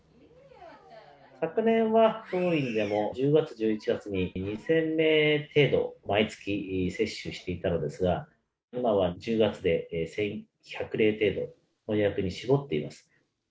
昨年は当院でも、１０月、１１月に２０００名程度、毎月接種していたのですが、今は１０月で１１００例程度の予約に絞っています。